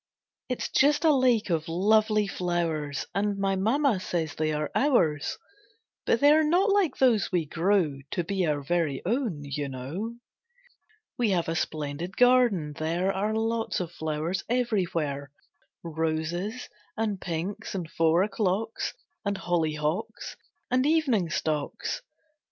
It's just a lake of lovely flowers And my Mamma says they are ours; But they are not like those we grow To be our very own, you know. We have a splendid garden, there Are lots of flowers everywhere; Roses, and pinks, and four o'clocks And hollyhocks, and evening stocks.